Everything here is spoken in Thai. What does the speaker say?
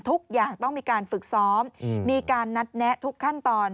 ทุกอย่างต้องมีการฝึกซ้อมมีการนัดแนะทุกขั้นตอน